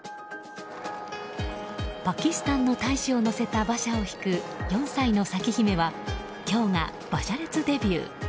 パキスタンの大使を乗せた馬車を引く４歳の咲姫は今日が馬車列デビュー。